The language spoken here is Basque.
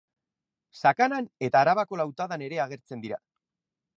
Sakanan eta Arabako Lautadan ere agertzen dira.